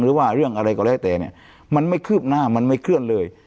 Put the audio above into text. หรือว่าเรื่องอะไรก็แล้วแต่เนี่ยมันไม่คืบหน้ามันไม่เคลื่อนเลย